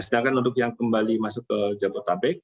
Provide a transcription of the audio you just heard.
sedangkan untuk yang kembali masuk ke jabodetabek